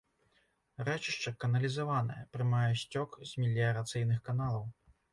Рэчышча каналізаванае, прымае сцёк з меліярацыйных каналаў.